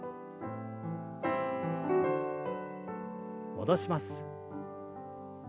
戻します。